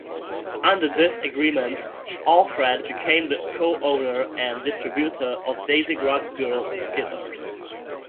Under this agreement, Alfred became the co-owner and distributor of Daisy Rock Girl Guitars.